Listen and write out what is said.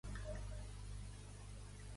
Amb quin nom és cèlebre Concepción Abellán?